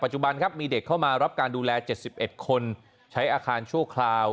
ปัจจุบันครับมีเด็กเข้ามารับการดูแลเจ็ดสิบเอ็ดคนใช้อาคารชั่วคราว